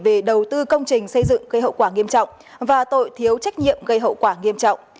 về đầu tư công trình xây dựng gây hậu quả nghiêm trọng và tội thiếu trách nhiệm gây hậu quả nghiêm trọng